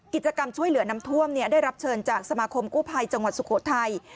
กิจกรรมช่วยเหลือน้ำท่วมได้รับเชิญจากสมาคมกู้ภัยจังหวัดสุโขทัย